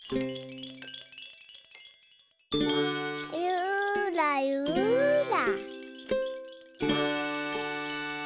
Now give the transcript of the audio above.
ゆらゆら。